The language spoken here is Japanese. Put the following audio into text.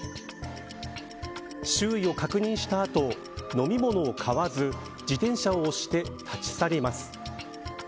周囲を確認した後飲み物を買わず自転車を押して立ち去ります。